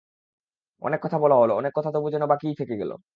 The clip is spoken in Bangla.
অনেক কথা হলো বলা, অনেক কথা তবু যেন বাকিই থেকে গেল।